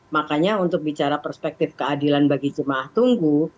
makanya untuk bicara perspektif keadilan bagi jemaah tunggu